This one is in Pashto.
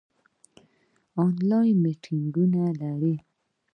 آنلاین میټینګونه لرئ؟